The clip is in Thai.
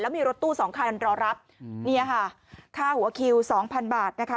แล้วมีรถตู้๒คันรอรับนี่ค่ะค่าหัวคิว๒๐๐๐บาทนะคะ